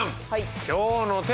はい。